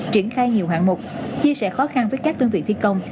triển khai nhiều hạng mục chia sẻ khó khăn với các đơn vị thi công